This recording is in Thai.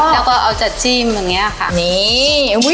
แล้วก็เอาจะจิ้มอย่างนี้ค่ะนี่